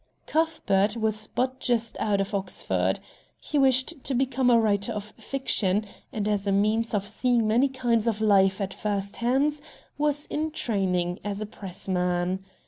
Cuthbert was but just out of Oxford. He wished to become a writer of fiction, and, as a means of seeing many kinds of life at first hand, was in training as a "Pressman."